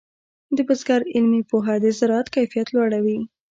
د بزګر علمي پوهه د زراعت کیفیت لوړوي.